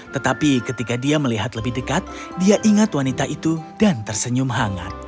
tetapi ketika dia melihat lebih dekat dia ingat wanita itu dan tersenyum hangat